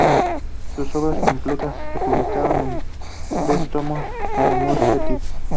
Sus "Obras completas" se publicaron en tres tomos en Murcia: Tip.